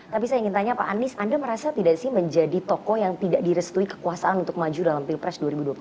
tapi saya ingin tanya pak anies anda merasa tidak sih menjadi tokoh yang tidak direstui kekuasaan untuk maju dalam pilpres dua ribu dua puluh empat